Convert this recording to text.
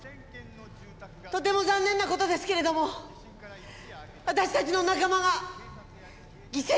とても残念なことですけれども私たちの仲間が犠牲になりました。